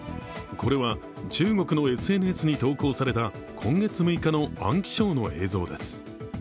これは中国のＳＮＳに投稿された今月６日の安徽省の映像です。